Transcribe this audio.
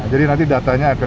jadi nanti datanya akan